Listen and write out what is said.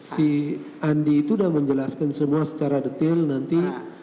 si andi itu sudah menjelaskan semua secara detail nanti